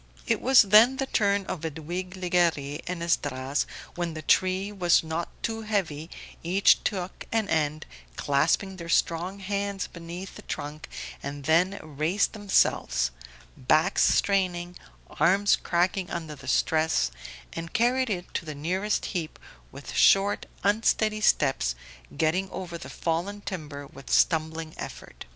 It was then the turn of Edwige Legare and Esdras; when the tree was not too heavy each took an end, clasping their strong hands beneath the trunk, and then raised themselves backs straining, arms cracking under the stress and carried it to the nearest heap with short unsteady steps, getting over the fallen timber with stumbling effort.